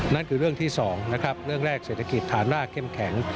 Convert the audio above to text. นั่นคือเรื่องที่๒นะครับเรื่องแรกเศรษฐกิจฐานรากเข้มแข็ง